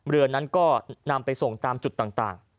เรือนั้นก็นำไปส่งตามจุดต่าง